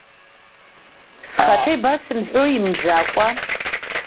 Схаҭа ибасымҳәои имӡакәа.